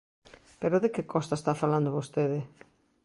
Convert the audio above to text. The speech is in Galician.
¿Pero de que costa está falando vostede?